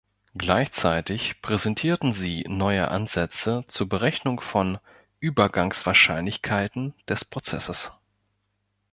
Gleichzeitig präsentierten sie neue Ansätze zur Berechnung von Übergangswahrscheinlichkeiten des Prozesses.